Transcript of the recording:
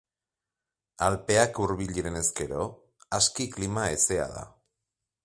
Alpeak hurbil direnez gero, aski klima hezea da.